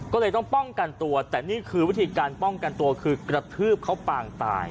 ก็เลยต้องป้องกันตัวแต่นี่คือวิธีการป้องกันตัวคือกระทืบเขาปางตาย